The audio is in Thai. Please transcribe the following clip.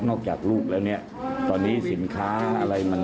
จากลูกแล้วเนี่ยตอนนี้สินค้าอะไรมัน